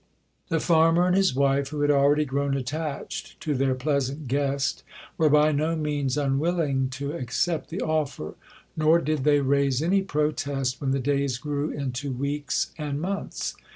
The farmer and his wife, who had already grown attached to their pleasant guest, were by no means unwilling to accept the offer; nor did they raise any protest when the days grew into weeks and months.